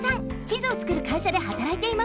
地図をつくる会社ではたらいています。